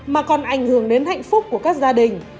mà còn ảnh hưởng đến hạnh phúc của các gia đình